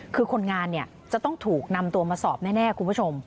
คือคนงานเนี่ยจะต้องถูกนำตัวมาสอบแน่คุณผู้ชม